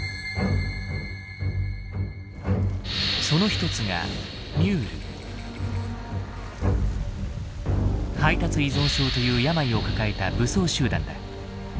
その一つが「配達依存症」という病を抱えた武装集団だ。